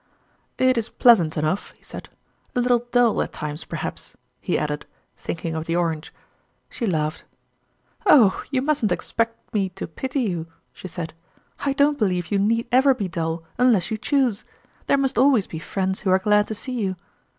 " It is pleasant enough," he said. " A little dull at times, perhaps," he added, thinking of the orange. She laughed. " Oh, you mustn't expect me to pity you !" she said. " I don't believe you need ever be dull, unless you choose. There must always be friends who are glad to see you."